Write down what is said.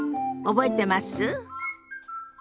覚えてます？